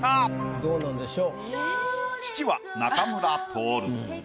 どうなんでしょう？